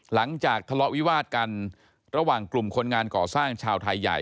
หลังจากทะเลาะวิวาดกันระหว่างกลุ่มคนงานก่อสร้างชาวไทยใหญ่